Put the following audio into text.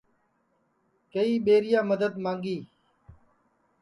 اُنے اپٹؔے ہی راجیستانی بھائی راجاوں سے کئی ٻیریا مددت مانگی کِنین مددت نائی کری